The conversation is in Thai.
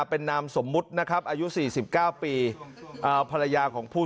เป็นนามสมมุทรนะครับอายุสี่สิบเก้าปีอ่าภรรยาของผู้